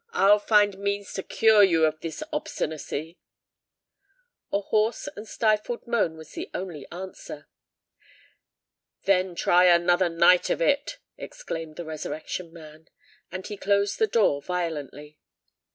I'll find means to cure you of this obstinacy." A hoarse and stifled moan was the only answer. "Then try another night of it!" exclaimed the Resurrection Man. And he closed the door violently.